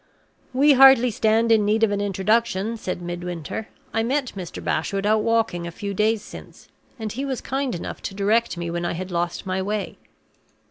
"We hardly stand in need of an introduction," said Midwinter. "I met Mr. Bashwood out walking a few days since, and he was kind enough to direct me when I had lost my way."